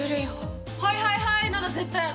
はいはいはーいなら絶対私！